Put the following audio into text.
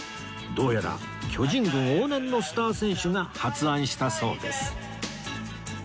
どうやら巨人軍往年のスター選手が発案したそうです